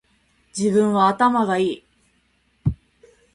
自分は頭がいい